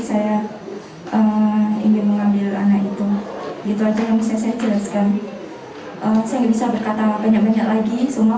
saya ingin mengambil anak itu itu aja yang bisa saya jelaskan saya bisa berkata banyak banyak lagi semua